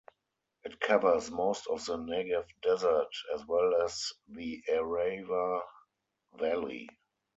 It covers most of the Negev desert, as well as the Arava valley.